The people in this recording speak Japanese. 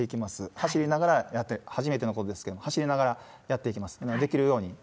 走りながらやって、初めてのことですけれども、走りながらやっていきます。